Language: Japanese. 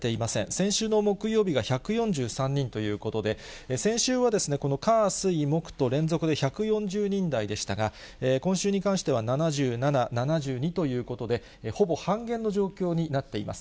先週の木曜日が１４３人ということで、先週はですね、この火、水、木と連続で１４０人台でしたが、今週に関しては７７、７２ということで、ほぼ半減の状況になっています。